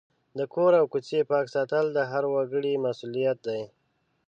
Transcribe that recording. د کور او کوڅې پاک ساتل د هر وګړي مسؤلیت دی.